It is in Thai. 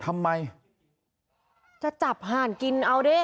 อะไรกัน